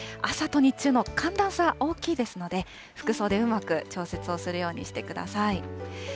朝と日中の寒暖差、大きいですので、服装でうまく調節をするようにしてください。